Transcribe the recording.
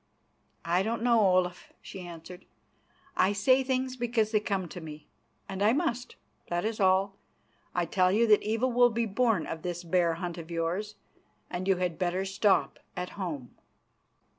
"I don't know, Olaf," she answered. "I say things because they come to me, and I must, that is all. I tell you that evil will be born of this bear hunt of yours, and you had better stop at home."